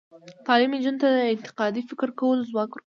تعلیم نجونو ته د انتقادي فکر کولو ځواک ورکوي.